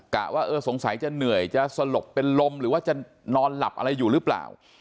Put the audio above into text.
ว่าเออสงสัยจะเหนื่อยจะสลบเป็นลมหรือว่าจะนอนหลับอะไรอยู่หรือเปล่า